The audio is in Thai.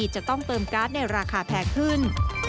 จะต้องเติมการ์ดในราคาแพงขึ้น